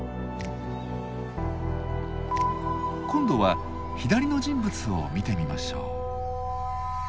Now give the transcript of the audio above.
今度は左の人物を見てみましょう。